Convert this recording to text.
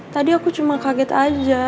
tadi aku cuma kaget aja